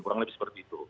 kurang lebih seperti itu